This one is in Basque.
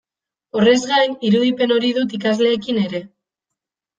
Horrez gain, irudipen hori dut ikasleekin ere.